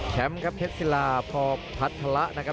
แชมพ์เผชิลาพบภาษฎะ